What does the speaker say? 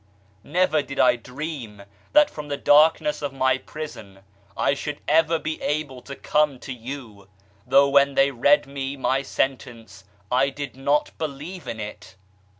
Never did I dream that from the darkness IMPRISONMENT 35 of my prison I should ever be able to come to you, though when they read me my sentence I did not believe in it.